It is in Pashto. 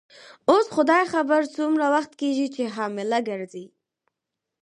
اوس خدای خبر څومره وخت کیږي چي حامله ګرځې.